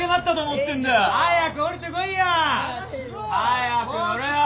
早く下りてこいよ！